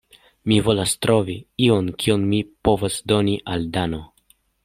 Mi volas trovi ion, kion mi povos doni al Dano.